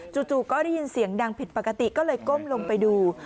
จู่ก็ได้ยินเสียงดังผิดปกติก็เลยก้มลงไปดู